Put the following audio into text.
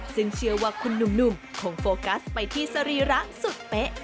ซึ่งเชื่อว่าคุณหนุ่มคงโฟกัสไปที่สรีระสุดเป๊ะ